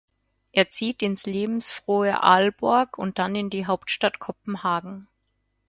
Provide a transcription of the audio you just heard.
Er zieht ins lebensfrohe Aalborg und dann in die Hauptstadt Kopenhagen.